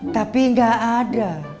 tapi gak ada